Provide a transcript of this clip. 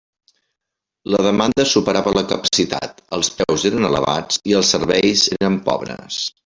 La demanda superava la capacitat, els preus eren elevats i els serveis eren pobres.